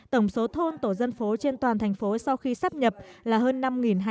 tổng số thôn tổ dân phố trên toàn thành phố sau khi sắp nhập là hơn năm hai trăm linh